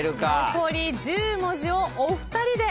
残り１０文字をお二人で。